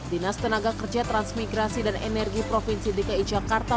dinas tenaga kerja transmigrasi dan energi provinsi dki jakarta